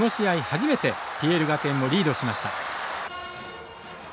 初めてＰＬ学園をリードしました。